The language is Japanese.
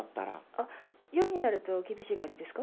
あっ夜になると厳しい感じですか？